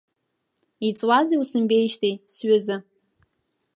Иҵуазеи усымбеижьҭеи, сҩыза…